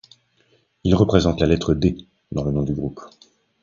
Ils représentent la lettre D dans le nom du groupe.